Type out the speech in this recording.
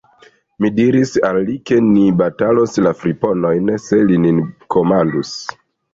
Mi diris al li, ke ni batalos la friponojn, se li nin komandus.